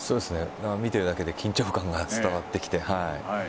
見ているだけで緊張感が伝わってきて。